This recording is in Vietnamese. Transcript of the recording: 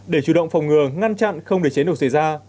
để chủ động phòng ngừa ngăn chặn không để cháy nổ xảy ra